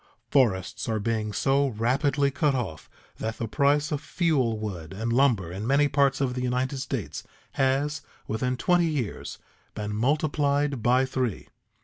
Forests are being so rapidly cut off that the price of fuel wood and lumber in many parts of the United States has, within twenty years, been multiplied by three.